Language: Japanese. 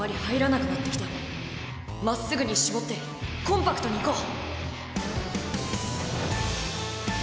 まっすぐに絞ってコンパクトにいこう！